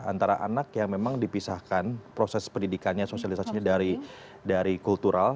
antara anak yang memang dipisahkan proses pendidikannya sosialisasinya dari kultural